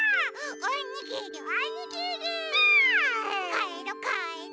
かえろかえろ！